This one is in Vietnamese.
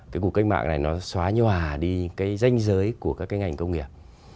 cái cuộc cách mạng này nó xóa nhòa đi cái danh giới của các cái ngành công nghiệp